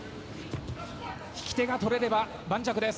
引き手がとれれば盤石です。